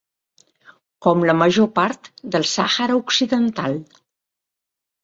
Com la major part del Sàhara Occidental.